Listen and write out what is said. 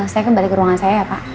saya kembali ke ruangan saya ya pak